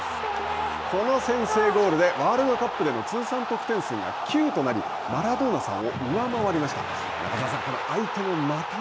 この先制ゴールでワールドカップでの通算得点数が９となり、マラドーナさんを上回りました。